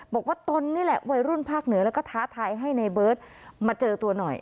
บอกว่าต้นนี่แหละไวรุ่นภาคเหนือก็ถาทายให้ในเบิร์ตมาเจอตัวหน่อย